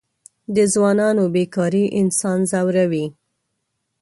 د ځوانانو بېکاري انسان ځوروي.